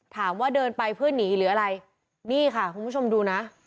ถามว่าเดินไปเพื่อหนีหรืออะไรนี่ค่ะคุณผู้ชมดูนะ